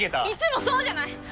いつもそうじゃない！